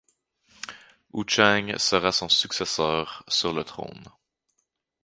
Houchang sera son successeur sur le trône.